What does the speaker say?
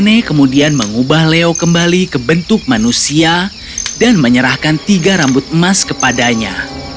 nenek kemudian mengubah leo kembali ke bentuk manusia dan menyerahkan tiga rambut emas kepadanya